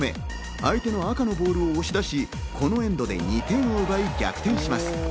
相手の赤のボールを押し出し、このエンドで２点を奪い、逆転します。